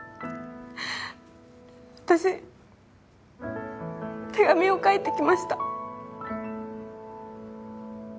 私手紙を書いてきました